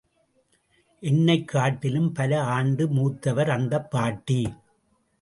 என்னைக் காட்டிலும் பல ஆண்டு மூத்தவர், அந்தப் பாட்டி.